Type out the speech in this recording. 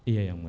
iya yang mulia